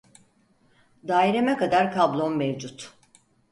Daireme kadar kablom mevcut